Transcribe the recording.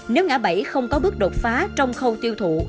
nếu ngã bảy không có bước đột phá trong khâu tiêu thụ